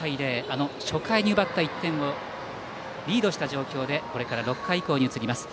あの初回に奪った１点をリードした状況でこれから６回以降に移ります。